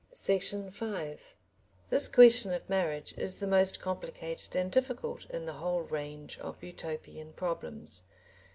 Section 5 This question of marriage is the most complicated and difficult in the whole range of Utopian problems.